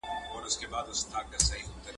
ما وویل چي څېړونکی باید روڼ اندئ وي.